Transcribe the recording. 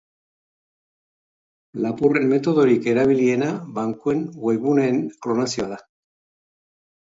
Lapurren metodorik erabiliena bankuen webguneen klonazioa da.